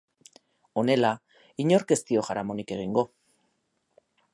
Honela, inork ez dio jaramonik egingo.